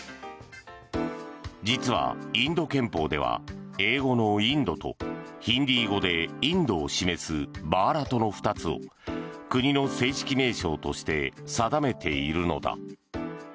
実はインド憲法では英語のインドとヒンディー語でインドを示すバーラトの２つを国の正式名称として定めているのだ。